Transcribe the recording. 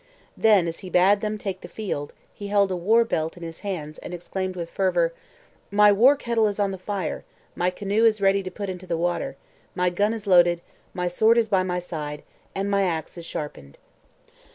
Then as he bade them take the field, he held a war belt in his hands and exclaimed with fervour: 'My war kettle is on the fire; my canoe is ready to put into the water; my gun is loaded; my sword is by my side; and my axe is sharpened.'